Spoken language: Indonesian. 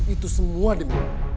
itu semua demi mama